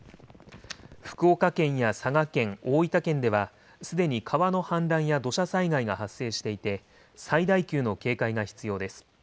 福岡県や佐賀県、大分県では、すでに川の氾濫や土砂災害が発生していて、最大級の警戒が必要です。